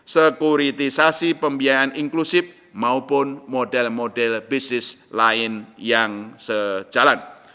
sekuritisasi pembiayaan inklusif maupun model model bisnis lain yang sejalan